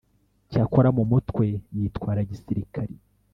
cyakora mu mutwe yitwara gisirikari